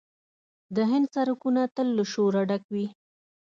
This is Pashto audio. د هند سړکونه تل له شوره ډک وي.